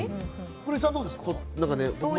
安藤さん、どうですか？